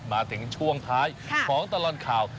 มาถึงช่วงท้ายของตลอดข่าว